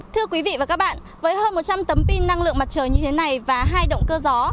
thưa quý vị và các bạn với hơn một trăm linh tấm pin năng lượng mặt trời như thế này và hai động cơ gió